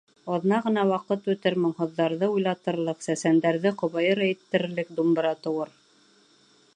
Аҙна ғына ваҡыт үтер, моңһоҙҙарҙы уйлатырлыҡ, сәсәндәрҙе ҡобайыр әйттерерлек думбыра тыуыр...